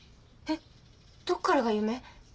えっどっからが夢？